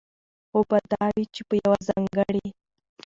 خو به دا وي، چې په يوه ځانګړي